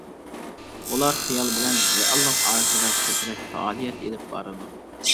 ئۇلار خىيال بىلەن رېئاللىق ئارىسىدا كۆپرەك پائالىيەت ئېلىپ بارىدۇ.